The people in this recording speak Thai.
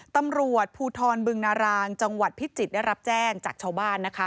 ตำรวจภูทรบึงนารางจังหวัดพิจิตรได้รับแจ้งจากชาวบ้านนะคะ